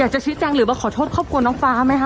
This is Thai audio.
จะชี้แจงหรือว่าขอโทษครอบครัวน้องฟ้าไหมคะ